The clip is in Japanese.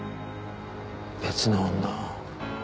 別の女？